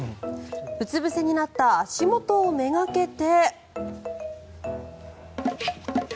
うつ伏せになった足元をめがけて。